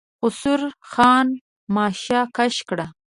خسرو خان ماشه کش کړه.